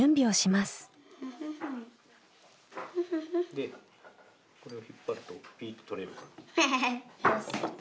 でこれを引っ張るとピッと取れるから。